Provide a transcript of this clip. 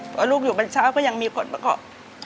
เพราะลูกอยู่บรรชาวก็ยังมีคนประกอบ